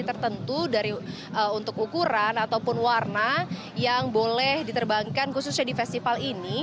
tepatnya langsung dari lapangan geodipa ini mengenai spesifikasi tertentu untuk ukuran ataupun warna yang boleh diterbangkan khususnya di festival ini